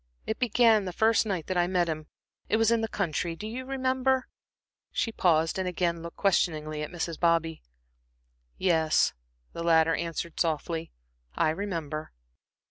It began the first night that I met him it was in the country, do you remember?" She paused and again looked questioningly at Mrs. Bobby. "Yes," the latter answered softly, "I remember."